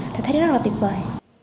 thì thấy rất là tuyệt vời